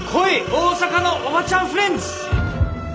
大阪のおばちゃんフレンズ。